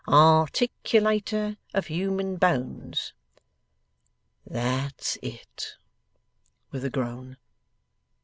'"Articulator of human bones."' 'That's it,' with a groan.